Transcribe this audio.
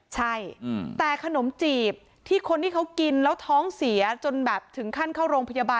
ใช่แต่ขนมจีบที่คนที่เขากินแล้วท้องเสียจนแบบถึงขั้นเข้าโรงพยาบาล